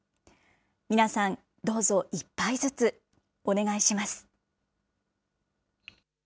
皆さん、どうぞ１杯ずつお願いします。